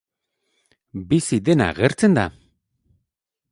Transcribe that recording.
Bizi dena agertzen da!